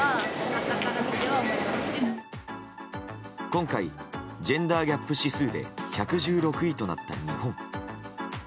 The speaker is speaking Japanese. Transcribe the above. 今回ジェンダーギャップ指数で１１６位となった日本。